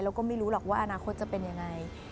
เราก็ไม่รู้หรอกว่าอนาคตจะเป็นอย่างไร